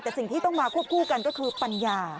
แต่สิ่งที่ต้องมาควบคู่กันก็คือปัญญา